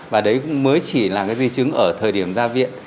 và đấy cũng mới chỉ là cái di chứng ở thời điểm ra viện